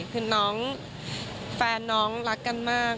คือน้องแฟนน้องรักกันมาก